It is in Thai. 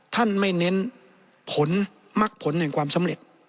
ท่านไม่เน้นผลมักผลแห่งความสำเร็จ